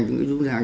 với người giang